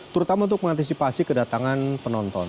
terutama untuk mengantisipasi kedatangan penonton